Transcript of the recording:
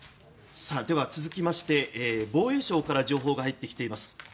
では、続きまして防衛省から情報が入ってきています。